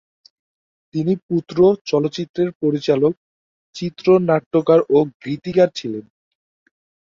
তিনি পুত্র চলচ্চিত্রের পরিচালক, চিত্রনাট্যকার ও গীতিকার ছিলেন।